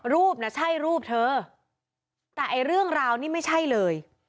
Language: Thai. น่ะใช่รูปเธอแต่ไอ้เรื่องราวนี่ไม่ใช่เลย